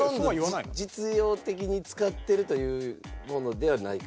実用的に使ってるというものではないかもしれないです。